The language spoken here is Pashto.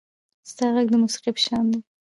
• ستا غږ د موسیقۍ په شان دی.